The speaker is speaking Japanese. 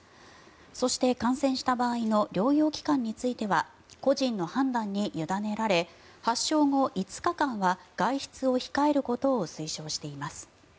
そして、感染した場合の療養期間については個人の判断に委ねられ発症後５日間は外出を控えることを推奨しています。